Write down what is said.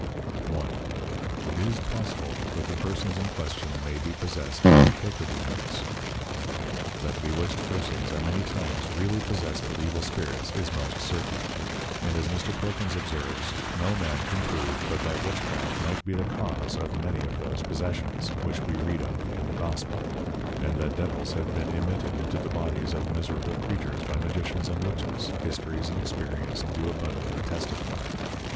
1. It is possible that the Persons in Question may be possessed with Cacodæmons: That bewitched Persons are many times really possessed with evil Spirits, is most certain. And as Mr. Perkins observes, no Man can prove but that Witchcraft might be the Cause of many of those Possessions, which we read of in the Gospel: And that Devils have been immitted into the Bodies of miserable Creatures by Magicians and Witches, Histories and Experience do abundantly testifie.